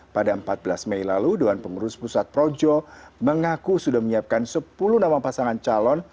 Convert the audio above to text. pada empat belas mei lalu doan pengurus pusat projo mengaku sudah menyiapkan sepuluh nama pasangan calon